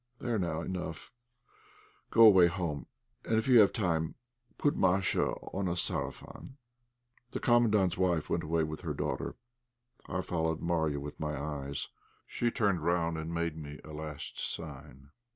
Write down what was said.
"There, now, enough; go away home, and if you have time put Masha on a 'sarafan.'" The Commandant's wife went away with her daughter. I followed Marya with my eyes; she turned round and made me a last sign.